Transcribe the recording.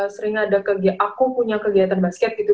sering ada aku punya kegiatan basket gitu